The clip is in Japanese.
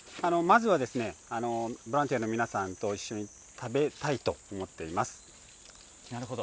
まずは、ボランティアの皆さんと一緒に食べたいと思っていまなるほど。